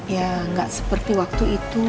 ya nggak seperti waktu itu